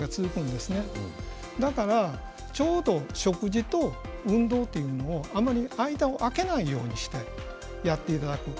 ですからちょうど食事と運動というのを間を空けないようにしてやっていただくと。